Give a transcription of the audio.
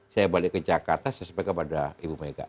saya balik ke jakarta saya sampai kepada ibu mega